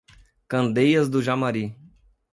Candeias do Jamari